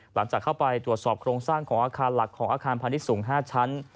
หลังจากเข้าไปตรวจสอบโครงสร้างของอาคารหลักของอาคารพาณิชย์สูง๕ชั้น